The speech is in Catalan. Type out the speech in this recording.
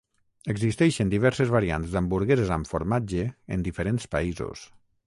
Existeixen diverses variants d'hamburgueses amb formatge en diferents països.